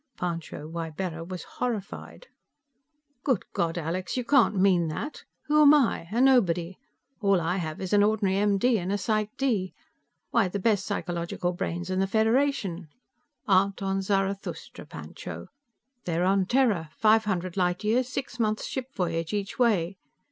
Pancho Ybarra was horrified. "Good God, Alex! You can't mean that. Who am I? A nobody. All I have is an ordinary M.D., and a Psych.D. Why, the best psychological brains in the Federation " "Aren't on Zarathustra, Pancho. They're on Terra, five hundred light years, six months' ship voyage each way.